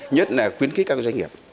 nhất là khuyến khích các doanh nghiệp